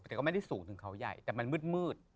แต่ก็ไม่ได้สูงถึงเขาใหญ่แต่มันมืด